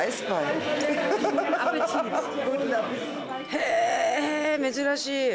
へ珍しい！